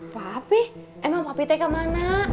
papi emang papi teh kemana